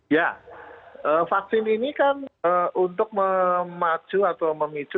ya vaksin ini kan untuk memacu atau memicu